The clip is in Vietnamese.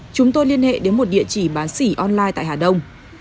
chúng tôi liên hệ đến một địa chỉ bán xỉ online tại hà đông